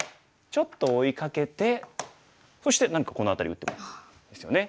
ちょっと追いかけてそして何かこの辺り打ってもいいですよね。